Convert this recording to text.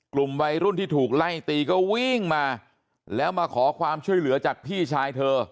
กลุ่มวัยรุ่นที่ถูกไล่ตีก็วิ่งมาแล้วมาขอความช่วยเหลือจากพี่ชายเธอ